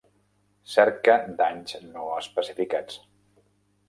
Cerca danys no especificats.